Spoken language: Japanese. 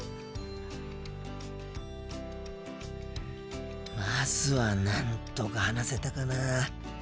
心の声まずはなんとか話せたかな。